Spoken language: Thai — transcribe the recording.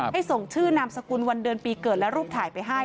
ส่งชื่อนามสกุลวันเดือนปีเกิดและรูปถ่ายไปให้